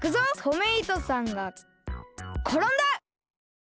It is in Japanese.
トメイトさんがころんだ！